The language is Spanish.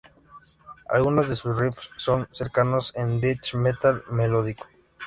Algunos de sus "riffs" son cercanos al Death Metal Melódico.